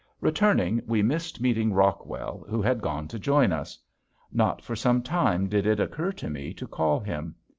Returning we missed meeting Rockwell who had gone to join us. Not for some time did it occur to me to call him.